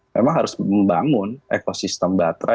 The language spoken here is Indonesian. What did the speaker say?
memang harus membangun ekosistem baterai